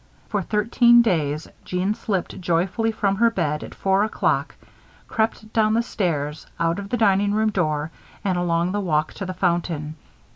For thirteen days, Jeanne slipped joyfully from her bed at four o'clock, crept down the stairs, out of the dining room door, and along the walk to the fountain.